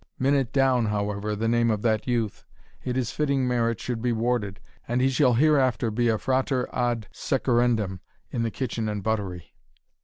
Minute down, however, the name of that youth it is fitting merit should be rewarded, and he shall hereafter be a frater ad succurrendum in the kitchen and buttery."